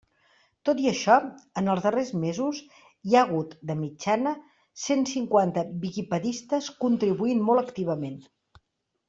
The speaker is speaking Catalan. Tot i això, en els darrers mesos hi ha hagut, de mitjana, cent cinquanta “viquipedistes” contribuint molt activament.